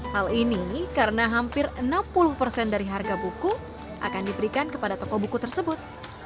hal ini karena hampir enam puluh persen dari harga buku akan diberikan kepada toko buku tersebut